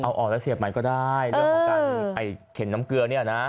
เอาออกแล้วเสียบใหม่ก็ได้เรื่องของการไอ้เข็นน้ำเกลือเนี่ยนะ